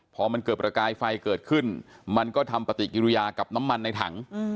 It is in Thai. พอมันเกิดประกายไฟเกิดขึ้นมันก็ทำปฏิกิริยากับน้ำมันในถัง